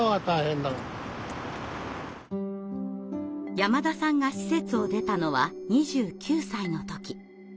山田さんが施設を出たのは２９歳の時。